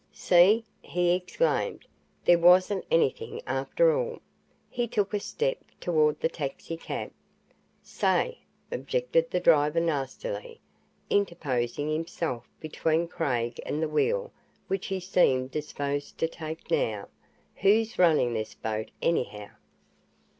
"See!" he exclaimed. "There wasn't anything, after all." He took a step toward the taxicab. "Say," objected the driver, nastily, interposing himself between Craig and the wheel which he seemed disposed to take now, "who's running this boat, anyhow?"